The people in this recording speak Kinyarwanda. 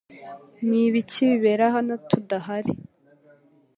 Ni ibiki bibera hano tudahari